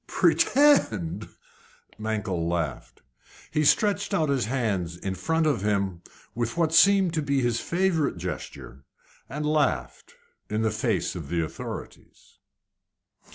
"Pretend!" Mankell laughed. He stretched out his hands in front of him with what seemed to be his favourite gesture, and laughed in the face of the authorities.